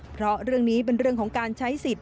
เพราะเรื่องนี้เป็นเรื่องของการใช้สิทธิ